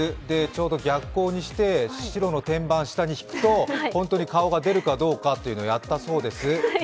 ちょうど逆光にして白の天板を下に敷くと本当に顔が出るかどうかというのをやったそうです。